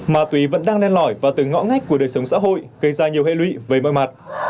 ma túy vẫn đang len lỏi và từ ngõ ngách của đời sống xã hội gây ra nhiều hệ lụy với mọi mặt